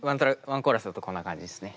ワンコーラスだとこんな感じですね。